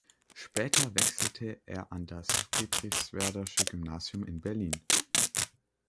Später wechselte er an das Friedrichswerdersche Gymnasium in Berlin.